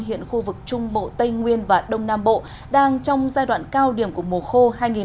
hiện khu vực trung bộ tây nguyên và đông nam bộ đang trong giai đoạn cao điểm của mùa khô hai nghìn hai mươi hai nghìn hai mươi